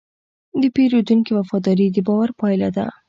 د پیرودونکي وفاداري د باور پايله ده.